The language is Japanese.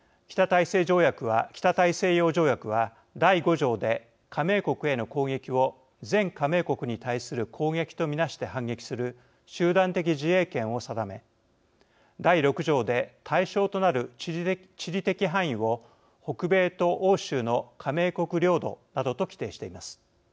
北大西洋条約は、第５条で加盟国への攻撃を全加盟国に対する攻撃と見なして反撃する集団的自衛権を定め第６条で対象となる地理的範囲を北米と欧州の加盟国領土などと規定しています。